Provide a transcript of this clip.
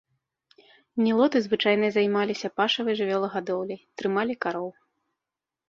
Нілоты звычайна займаліся пашавай жывёлагадоўляй, трымалі кароў.